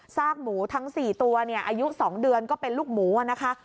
หมูทั้ง๔ตัวอายุ๒เดือนก็เป็นลูกหมูนะคะ